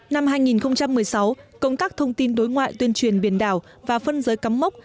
năm hai nghìn một mươi sáu công tác thông tin đối ngoại tuyên truyền biển đảo và phân giới cắm mốc